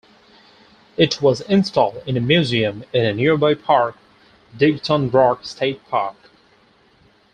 It was installed in a museum in a nearby park, Dighton Rock State Park.